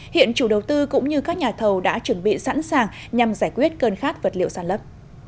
hiện chủ đầu tư cũng như các nhà thầu đã chuẩn bị sẵn sàng nhằm giải quyết cơn khát vật liệu sản lấp